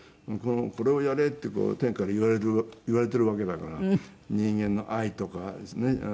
これをやれって天から言われているわけだから人間の愛とかですね